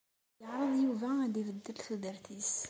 Yeɛreḍ Yuba ad ibeddel tudert-is.